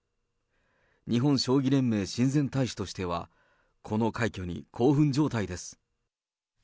日本将棋連盟親善大使としては、この快挙に興奮状態です。